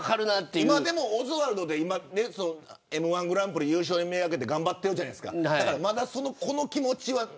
オズワルドでＭ−１グランプリ優勝目掛けて頑張ってるじゃないですか。